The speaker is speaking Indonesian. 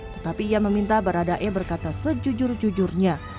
tetapi ia meminta baradae berkata sejujur jujurnya